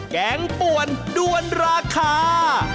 แกงป่วนด้วนราคา